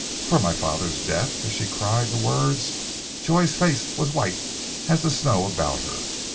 "For my father's death?" as she cried the words Joy's face was white as the snow about her.